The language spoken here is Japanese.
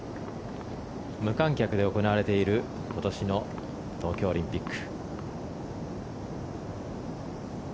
無観客で行われている今年の東京オリンピック。